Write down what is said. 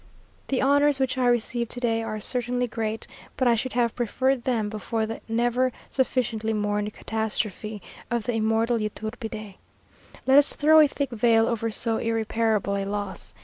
"The honours which I receive to day are certainly great; but I should have preferred them before the never sufficiently mourned catastrophe of the immortal Yturbide. Let us throw a thick veil over so irreparable a loss.